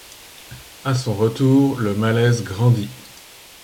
À son retour, le malaise grandit.